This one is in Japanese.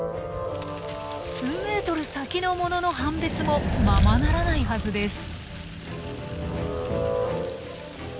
数メートル先の物の判別もままならないはずです。